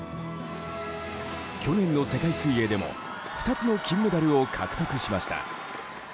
去年の世界水泳でも２つの金メダルを獲得しました。